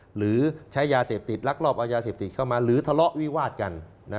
หรือใช้ยาเสพติดลักลอบเอายาเสพติดเข้ามาหรือทะเลาะวิวาดกัน